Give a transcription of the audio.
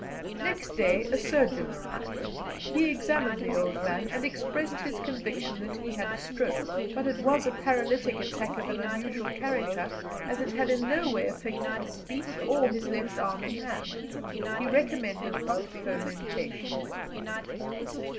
Next day a surgeon arrived. He examined the old man, and expressed his conviction that he had a stroke. But it was a paralytic attack of an unusual character, as it had in no way affected his speech or his left arm and hand. He recommended hot fomentations.